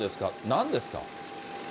なんですか。